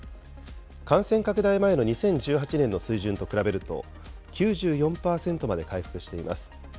感染拡大前の２０１８年の水準と比べると、９４％まで回復しています。